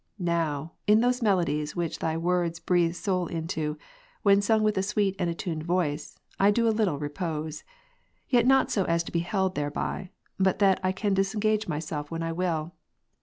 Now, in those melodies which Thy words breathe soul into, when sung with a sweet and attuned voice, I do a little repose ; yet not so as to be held thereby, but that I can dis engage myself when I will.